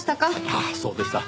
ああそうでした。